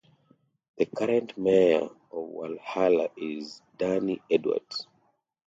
The current mayor of Walhalla is Danny Edwards.